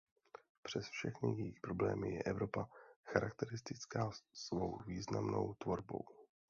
Přes všechny její problémy je Evropa charakteristická svou významnou tvorbou.